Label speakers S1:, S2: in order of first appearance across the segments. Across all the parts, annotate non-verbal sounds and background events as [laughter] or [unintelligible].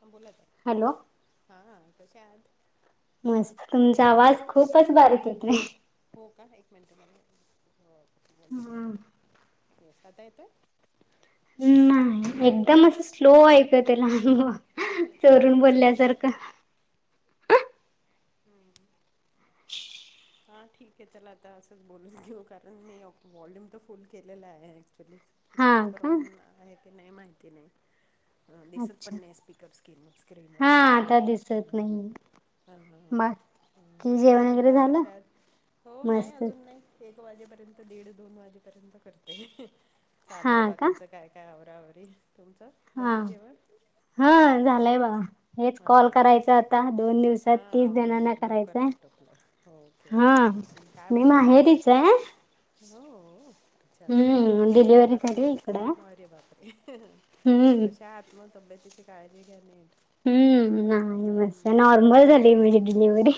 S1: हां बोलात आहे
S2: हॅलो!
S1: हांां कशा आत.
S2: मस्त तुमचा आवाज खूपच बारीक येते.
S1: हो का एक मिनटं मला वली मळू दे्या येस आता येतो आहे.
S2: नाही एकदम असं स्लो ऐक त्याला अनुभव.
S1: ह मे अठ मिनट स्पकर. हम्म. हा ठीक आहे चला आता असंच बोलून घेऊ कारण मी वॉल्यूम तर फुल केलेला आहे ऍक्च्युली
S2: हा का
S1: स्पीकरन आहे की नाही माहिती नाही. ह दिसत
S2: अच्छा
S1: पण नाही स्पीकर स्कन स्क्रीनवर
S2: हा
S1: ॲक्च्युली
S2: आता
S1: ह
S2: दिसत नाही
S1: हा ह
S2: बाकी
S1: ह् काय
S2: जेवण वगैरे
S1: म्हणता
S2: झालं
S1: कशात हो नाही
S2: मस्त
S1: अजून नाही. एक वाजेपर्यंत दीड दोन वाजेपर्यंत करते चालू आहे
S2: हा का
S1: बाकीच काय? काय आवरावरी तुमचं
S2: हा
S1: झालं जेवण.
S2: हा झालंय बाबा हेच कॉल
S1: हां
S2: करायचा आता दोन दिवसात तीस
S1: हां
S2: जणांना
S1: म्हणून लवकर
S2: करायचंय.
S1: ओके
S2: हा
S1: ओके काय
S2: मी
S1: बनवलं
S2: माहेरीच आहे
S1: हो. अच्छा
S2: हम्म डिलिव्हरी
S1: आता
S2: झाली इकडं
S1: हरे बाप रे
S2: हम्म
S1: कशा आ मग तब्येतीची काळजी घ्या नट
S2: हम्म नाही मस्त नॉर्मल झाली
S1: हम्म
S2: इमिजिट डिलिव्हरी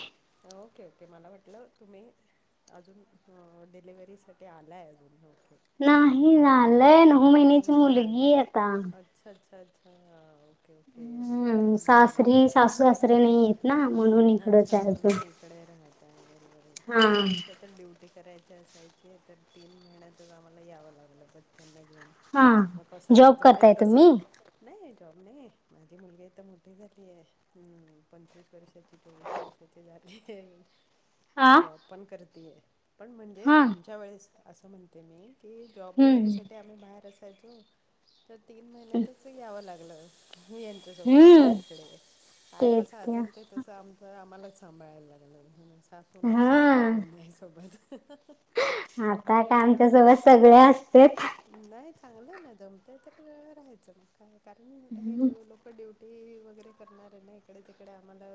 S1: ओके े. ओके मला वाटलं तुम्ही अजून डिलिव्हरी साठी आलाय अजून ओके.
S2: नाही
S1: हो
S2: झालंय नऊ महिन्याची
S1: हम्म, झालं
S2: मुलगी आता.
S1: अच्छा अच्छा अच्छा ओके ओके्.
S2: दसरे नाही आहेतेत.
S1: अच्छा म्हणून मग इकडे राहतय बरोबरी काय
S2: हा
S1: आमच्या. तर ड्युटी करायची असायची तर तीन महिन्यातच आम्हाला यावं लागलं बच्चांना घेऊन. मग
S2: हा
S1: कसं
S2: जॉब
S1: जमेल
S2: करताय तुम्ही?
S1: तसच. नाही जॉब नाही माझी मुलगी तर मोठी झाली आहे हम् पंचवीस. वस वर्षाची चोवीस वर्षाची झाली
S2: आ
S1: जॉब पण करतीय. पण म्हणजे
S2: हा
S1: आमच्या वेळेस असं म्हणते मी की जॉब
S2: हम्म
S1: वगैरेसाठी. आम्ही बाहेर असायचो. तर तीन महिन्यातच यावं लागलं यांच्यासोबत
S2: हम्म
S1: इिकडे काय
S2: तेच
S1: कसं
S2: की.
S1: असेल ते. आमच आम्हालाच सांभाळायला लागलं सासू ना आहे
S2: हा
S1: कोणी नाही सोबत. अ
S2: आता का आमच्या
S1: घाल
S2: सोबत सगळे असते.
S1: नाही चांगलं ना जमतय तर राहायचं मग काय कारण हे ल लोक. ड्युटी वगैरे करणार आहे ना इकडे तिकडे आम्हाला.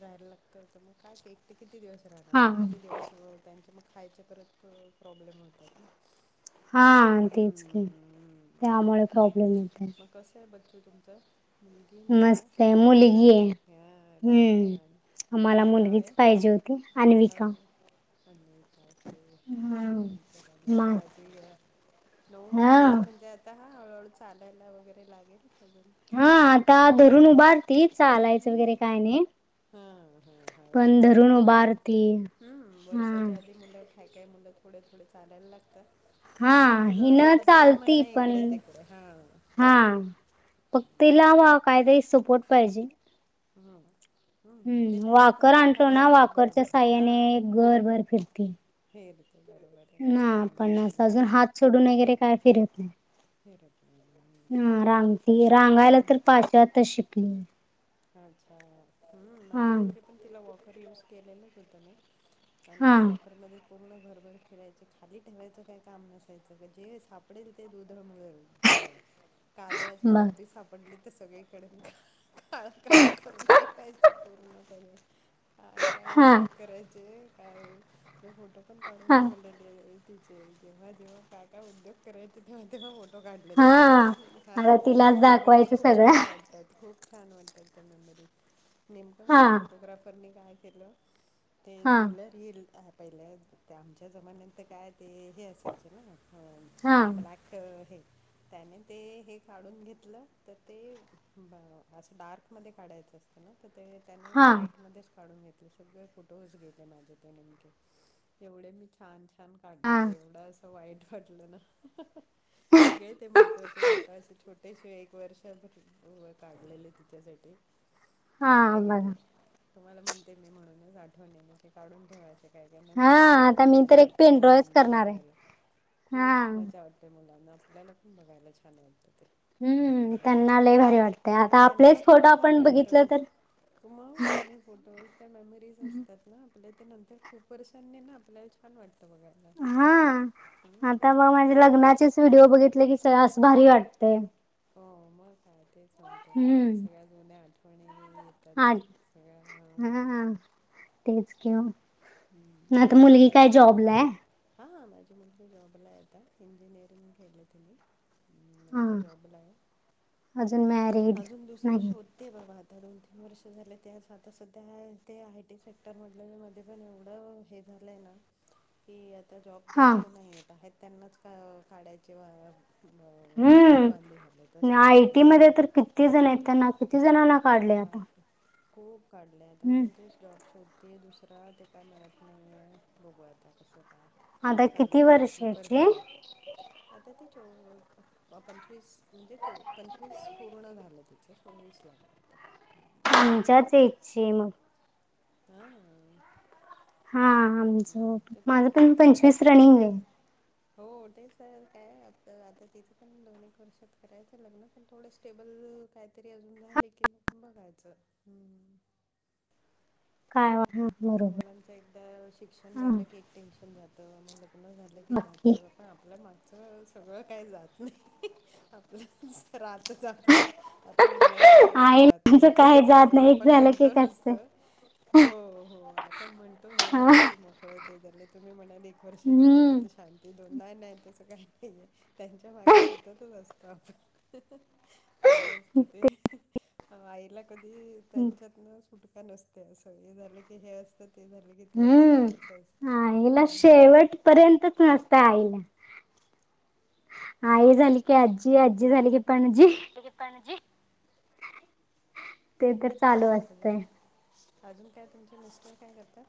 S1: राहायला लागत होत मग कायट किती दिवस राहणार
S2: हा
S1: किती दिवस. त्यांच्या मग खायच्या परत प्रॉब्लेम होतात ना.
S2: हा तेच घ
S1: हम्म
S2: त्यामुळे प्रॉब्लेम येतात.
S1: मग कसं आहे बच्चू तुमचां मुलगी मुलगा मुलगी आहे. ह अरे वा
S2: हम्म.
S1: छान
S2: आम्हाला
S1: काय नाव
S2: मुलगीच
S1: आहे
S2: पाहिजे होती
S1: हो
S2: अन्विका.
S1: आणिजय खऊ ते हम्म तर रणी
S2: मग
S1: ठिकायचे ग नऊ
S2: हा
S1: महिन्या च म्हणज्या आता हा हळूहळू चालायला वगैरे लागेल अजून
S2: हा आता धरून उभारती चालायचं वगैरे काय नाही
S1: हा हा हळूहळू
S2: पण धरून
S1: होईल दोन
S2: उभारती
S1: हम्म
S2: हा
S1: वर्षाच्या आधी मुला हय मुलं थोडे थोडे चालायला लागतात नाही
S2: हा
S1: तर दो
S2: हिन
S1: एखाद दोन महिन
S2: चालती पण
S1: इकडे त इिककडे हा
S2: हा फक् तिला काहीतरी सपोर्ट पाहिजे
S1: हम हम् ते
S2: हम्म
S1: त्यांचे
S2: वाकर
S1: त्यांच्या
S2: आणलो ना
S1: हळूहळू
S2: वाकरच्या
S1: बरोबर हा
S2: साह्याने घरभर फिरती.
S1: फेरते बरोबर आहे
S2: ना पण
S1: हम्म
S2: अजून हात सोडून वगैरे काय फिरत नाही
S1: फर आपल्या
S2: ह रांगची रांगायला तर पाचव्या आताच शिकली
S1: अच्छा ह
S2: हा
S1: माझी मुलगी पण तिला वॉकर यूज केलेलंच होतं मी
S2: हा
S1: आणि वॉकरमध्ये पूर्ण घरभर फिरायचे खाली ठेवायचं काय काम नसायचं का जे सापडेल ते दुधळमुळे सगळं
S2: ह
S1: कादळाची डब्बी सापडली तर सगळीकडे मग काळाकाळा करून नाही पाहिजे पूर्णपणे हय काय
S2: हा
S1: उद्योग करायचे काय मी फोटो पण काढून
S2: हा
S1: ठेवलेले जेव जव क काय काय उद्योग करायचे ते्हा ते फोटो
S2: हा
S1: काढलेले आहेत तुम्ही पण
S2: आता तिलाच
S1: हां मेमरीज
S2: दाखवायचं
S1: खूप
S2: सगळं
S1: छान वाटतात खूप छान वाटतात त्या मेमरीज नेमकं
S2: हा
S1: माझ्या फोटोग्राफरनी काय केलं ते
S2: हा
S1: डलर ह पहिले ते आमच्या जमान्यात तर काय ते हे असायचं
S2: हा
S1: ब्लॅक हे त्याने ते हे काढून घेतलं तर ते असं डार्कमध्ये काढायचं असतं ना तर ते त्याने
S2: हा
S1: ब्रईटमध्येच काढून घेतले सगळे फोटोज घेतले माझे ते नेमके एवढे मी छान छान
S2: हा
S1: काढलेलं एवढं असं वाईट वाटलं ना सगळे ते महत्त्वाचे फोट असे छोटेसे एक वर्षर काढलेले तिच्यासाठी
S2: हा
S1: सगळे गेले
S2: बघा
S1: तुम्हाला म्हणते मी म्हणूनच आठवणीने की काढून ठेवायच का
S2: हा
S1: नंतर खूप
S2: आता मी
S1: मजा
S2: तर एक
S1: वाटत
S2: पेनड्रॉयच
S1: मुलांना
S2: करणार आहे
S1: बघायला
S2: हा
S1: खूप मजा वा त्या मुलांना आपल्याला पण बघायला छान वाटतं ते
S2: हम्म त्यांना ल भारी वाटतते आता आपलेच फोटो आपण बघितलं तर
S1: खुमग जुने फोटोज त्या मेमोरीज असतात आपल्या ते नंतर खूप वर्षांनी ना आपल्याला छान वाटतं बघा
S2: हा आता मग माझे लग्नाचेच व्हिडिओ बघितले की सस भारी वाटते
S1: हो मग काय ते सांगते ना
S2: हम्म
S1: सगळ्या जुन्या आठवणी येत त्याच
S2: आठ
S1: सगळ्या
S2: हा तेच किऊ ना तर मुलगी काय जॉबला आहे
S1: हा माझी मुलगी जॉबला आहेता इंजिनिअरिंग केलं तिने हम्म आता
S2: हा
S1: जॉबला आहे
S2: अजून मॅरिड
S1: अजून दुसरा
S2: नाही
S1: शोध ते बाबा आता दोन तीन वर्ष झाले ते आता सध्या ते आय टी सेक्टर म्हधल्या मध्ये पण एवढ हे झालंय की आता जॉब
S2: हा
S1: जास्त नाही त्यांनाच काढ्याचे
S2: हम्म
S1: बध्य झाले तशं
S2: आय
S1: झालं
S2: टी मध्ये
S1: हां
S2: तर किती जण आहेत त्यांना किती जणांना काढले आता
S1: बाप खूप काढलंय आता
S2: हम्म
S1: म्हणून ते जॉब शोधते दुस खरां ते काय मिळत नाही आहे बघूयता कसं काय
S2: आता
S1: चालू
S2: किती
S1: प्रयत्न
S2: वर्षाची
S1: करतेय आता तिच्या पंचवीस म्हणजे च पंचवीस पूर्ण झालं तिचं चोवीस लागलं तर
S2: तुमच्याच इच्छे मग
S1: हा
S2: हा आमचं माझं
S1: तेच
S2: पण पंचवीस रनिंग आहे
S1: हो होठेचर काय आता तिचं पण दोन एक वर्षात करायचं लग्न. पण थोड स्टेबल काहीतरी अजून झाले की मग बघायचं
S2: काय वा
S1: त्या मुलांच एकदा शिक्षण झालं की एक टेन्शन जातं मग लग्न झालं की जात
S2: नक्की
S1: पण आपल्यामागचं सगळं काही जात नाही आपलं राातच आपलं आपण मुलांच्या मध्येच
S2: आईच
S1: राहतो
S2: काय जात
S1: कायम
S2: नाही एक
S1: आपण
S2: झालं की
S1: म्हणतो
S2: एक
S1: नुसत
S2: असतंय
S1: हो हो आपण म्हणतो हे
S2: हा
S1: झालं की मोकळत झालं तुम्ही म्हणाल एक वर्षा झाली
S2: हम्म
S1: शांती दोन नाही तस काही नाहीये त्यांच्या मागे सुततच असतो आपण असं असत ते आईला कधी त्यांच्यात न फुटका नसते असं हे झालं की हे असतं ते झाले
S2: हम्म आईला
S1: हम्म
S2: शेवट पर्यंतच नसत आईला आई झाली
S1: हो
S2: का अज्जी अज्जी झाली क पणजी
S1: टिक पाणजी
S2: ते तर चालू
S1: अजून
S2: असतेय
S1: अजून काय तुमचे मिस्टर काय करतात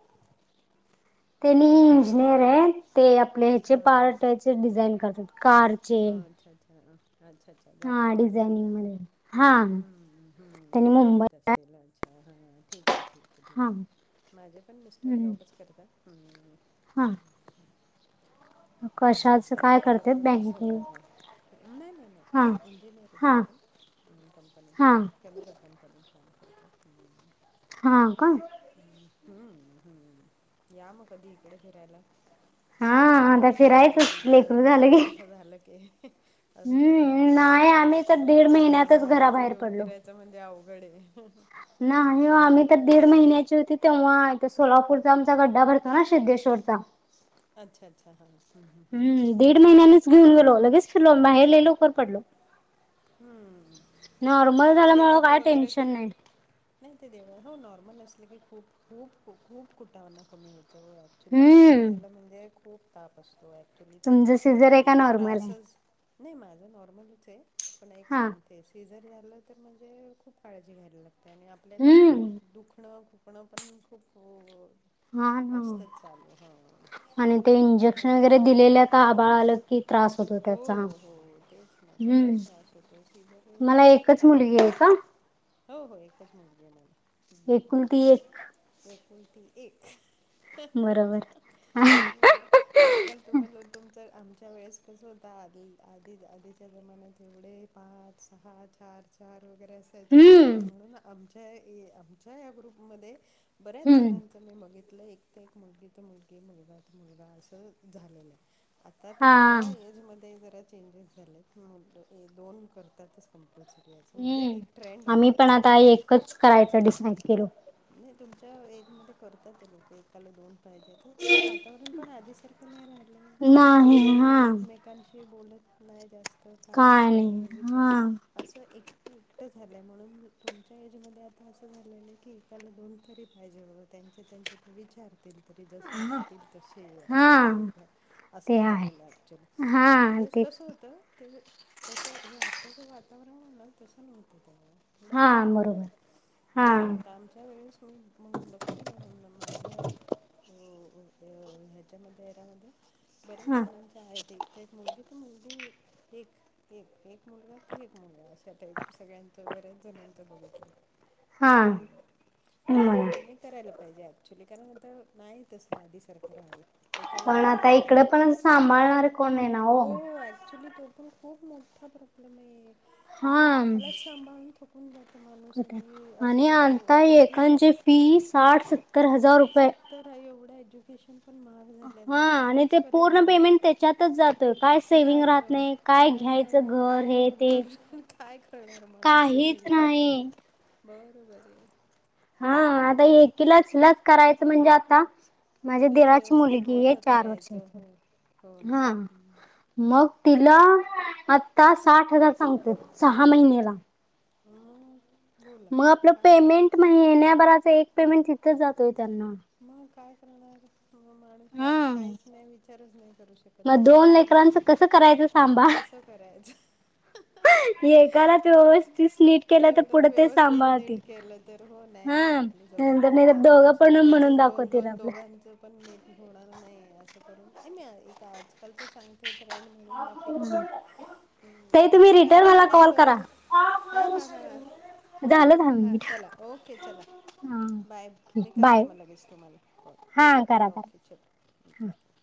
S2: त्यांनी इंजिनियर आहे ते आपले ह्याचे
S1: हा
S2: पार्ट याचे डिझाईन करतात कार
S1: अ अच्छा अच्छा अच्छा अच्ा जात का
S2: हा डिझायनिंग मध्ये हा त्यांनी
S1: कपनी
S2: मुंबई
S1: तेला छहाा ठीक आहे ठीक आहे
S2: हा
S1: ठीक आहे माझे पण मिस्टर
S2: हम्म.
S1: जॉबच करतात ह
S2: हा कशाच
S1: तेच
S2: काय करतेत
S1: त्यांच्याण
S2: बँकिंग
S1: सगळं का नाही नाही
S2: हा.
S1: नाही इंजिनियर आहेत ते
S2: हा
S1: पण कंपनीिक
S2: हा
S1: केमिकल कंपनीिक फमसरतात
S2: हा कोण
S1: ह हम्म हम् या मग कधी इकडे फिरायला
S2: हा आता फिर
S1: बिलबुल अजून थोडं मोठं झालं क अजून थोडं मोठं
S2: हम्म
S1: झालं
S2: नाही
S1: की
S2: आम्ही
S1: आता
S2: तर
S1: सध्या
S2: दीड
S1: सहा नऊ
S2: महिन्यातच
S1: महिन्याचं
S2: घराबाहेर
S1: घेऊन
S2: पडलो.
S1: फिरायचं म्हणजे अवघडे
S2: नाही हे आम्ही तर दीड महिन्याची होती तेव्हा इथ सोलापूरचा आमचा गड्डा भरतो ना सिद्धेश्वरचा
S1: अच्छा अच्छा हां हम्म.
S2: हम्म दीड महिन्याच घेऊनेलो लगेच फिरलो बाहेर ले लवकर पडलो
S1: हम्म
S2: नॉर्मल
S1: नाही ते
S2: झाल्यामुळे
S1: देवाचं
S2: काय
S1: वगैरे
S2: टेन्शन
S1: तर
S2: नाही
S1: ते देव हो नॉर्मल असलं की खूप खूप खूप कुटावना कमी होतो क्च्युली सीझर
S2: हम्म
S1: झाला म्हणजे खूप ताप असतो ऍक्च्युली ते
S2: तुमचं सिजर आहे का
S1: आपल्याला
S2: नॉर्मल आहे
S1: त्रासच नाही माझं नॉर्मलच आहे पण एक
S2: हा
S1: सांग ते सीझर झालं तर म्हणजे खूप काळजी घ्यायला लागतय आणि आपल्याला
S2: हम्म
S1: दुखणं खुपणं पण खूप
S2: हा ना
S1: असतंच चालू हा.
S2: आणि ते
S1: नॉर्मल
S2: इंजेक्शन
S1: झालं
S2: वगैरे
S1: तर
S2: दिलेले
S1: टेन्शन
S2: आता आबाळ आलं की त्रास होतो
S1: हो
S2: त्याचा
S1: हो. तेच ना
S2: हम्म
S1: सगळाच त्रास होतो सीजर
S2: तुम्हाला एकच
S1: आणि
S2: मुलगी आहे का
S1: हो हो एकच मुलगी आहे मला. हम्म.
S2: एकुलती एक
S1: एकुलती एक. अहं
S2: बरोबर
S1: अहं आजकाल तुम्हाला तुमचं आमच्या वेळेस कसं होत आधी आ आधी आधीच्या जमान्यात एवढे पाच, सहा, चार चार वगैरे असायचे ना
S2: हम्म
S1: तर म्हणून आमच्या आमच्या या ग्रुपमध्ये बऱ्याच
S2: हम्म
S1: जणां तुम्ही बघितलं एक ते एक मुलगी तर मुलगी मुलगा तर मुलगा असं झालेलं. आता तुमच्या
S2: हा
S1: एजमध्ये जरा चेंजेस झालेत म्हणल दोन करतातच कंपल्सरी म्हणजे
S2: हम्म.
S1: एक ट्रेंड
S2: आम्ही पण
S1: बघते
S2: आता
S1: मी.
S2: एकच करायचं डिसाईड केलो.
S1: नाही तुमच्या एज मध्ये करतात ते लोक एकाला दोन पाहिजे तर तं वातावरण पण आधी सारखं असं नाही राहिलंय म
S2: नाही
S1: लोक
S2: हा
S1: एकमेकांशी बोलत नाही जास्त का
S2: काय
S1: नाही विचार
S2: हा
S1: असं एकटं एकटं झाल्यामुळं तुमच्या एजमध्ये आता असं झालेलं आहे की एकाला दोन तरी पाहिजे बाबा त्यांचे त्यांचे ते विचारतील. तरी जसे असतील तसे असं
S2: हा
S1: टाईप असं
S2: ते आहे.
S1: झालेलं ऍक्च्युली. आमच्या
S2: हा
S1: वेळेस
S2: तेच
S1: कसं होतं? ते तसं हे आताच वातावरण आहे ना तसं नव्हतं तेव्हा. थोडा
S2: हा
S1: फरक होता.
S2: बरोबर हा
S1: हम्म. तर आमच्या वेळेस मी मग बघते ना म माझ्या हो ह्याच्यामध्ये रा मध्ये बऱ्याच
S2: हा
S1: जणांची काय ते एक मुलगी तर मुलगी एक एक एक मुलगा ते एक मुलगा अशा टाईप सगळ्यांचं बऱ्याच जणांचं बघितलं.
S2: हा
S1: हम्म. पण
S2: म्हणा
S1: तुम्ही करायला पाहिजे ऍक्च्युली, कारण तर नाही तसं आधी सारखं राहयल. एकाला
S2: पण
S1: दोन
S2: आता
S1: पाहिजे.
S2: इकडं पण सांभाळणार कोण नाही ना
S1: हो ऍक्चुली तू पण खूप मोठा प्रॉब्लेम आहे म्हणजे
S2: हा
S1: एकालाच सांभाळ थकून जात माणूस
S2: कुठे
S1: आणि असं
S2: आणि आंता
S1: अ,
S2: एकांची
S1: आधीसारखं
S2: फी साठ, सत्तर हजार रुपये.
S1: तर एवढं एज्युकेशन पण मह झालेलं
S2: हा
S1: आहे.
S2: आणि
S1: कायच
S2: ते
S1: करेल
S2: पूर्ण
S1: माणूस
S2: पेमेंट त्याच्यातच जातोय काय सेविंग राहत
S1: जातो.
S2: नाही
S1: काय नाही.
S2: घ्यायचं
S1: राह न
S2: घर
S1: काय
S2: हे ते
S1: घरी काय करणार माणूस
S2: काहीच
S1: सेविंग आणि का
S2: नाही
S1: बरं बरी हाय.
S2: हा. आता एकीलाच लाच करायचं म्हणजे आता माझ्या
S1: तिलाच
S2: दिराची
S1: व्यवस्थित
S2: मुलगी आहे
S1: मोठं
S2: चार
S1: करायचं
S2: वर्षाची
S1: हो हो ना
S2: हा. मग तिला आत्ता साठ हजार सांगतीत सहा महिन्याला.
S1: अ [unintelligible]
S2: मग आपलं पेमेंट महिन्याभराच एक पेमेंट तिथंच जातय त्यांना.
S1: मग काय करणार? मग माणूस दुसरं
S2: हम्म
S1: काहीच नाही विचारच नाही करू शकत असं आहे. बरोबर आहे.
S2: कस सांबा
S1: कसं करायचं?
S2: एकालाच व्यवस्थित नीट केलं तर
S1: तेवढं
S2: पुढे ते
S1: व्यवस्थित नीट
S2: सांभाळतील
S1: केलं तर, हो नाही आणि
S2: हा
S1: आपली
S2: नंतर नाही
S1: जबाबदारी
S2: तर
S1: आपण
S2: दोघं पण म्हणून
S1: चौघाचच दोन
S2: दाखवतील
S1: दोन
S2: आपल्या
S1: दोघांचं पण नीट होणार नाही असं करून कणी एक आजकालच्या सांग ते ट्रेंड म्हणून बाकी काय नाही.
S2: ताई तुम्ही
S1: हम्म
S2: रिटर्न मला
S1: ॲक्च्युली
S2: कॉल करा
S1: बरोबर
S2: [unintelligible] झालं दहा
S1: हा
S2: मिनिट.
S1: चला ओके चला.
S2: हा
S1: बाय मी करते
S2: बाय
S1: म लगेच तुम्हाला
S2: हा करा
S1: कॉल ओके
S2: करा.
S1: चल बाय.